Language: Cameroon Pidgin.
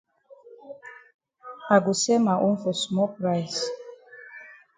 I go sell ma own for small price.